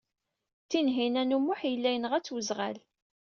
Tinhinan u Muḥ yella yenɣa-tt weẓɣal.